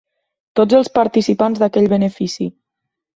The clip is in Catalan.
Tots els participants d'aquell benefici.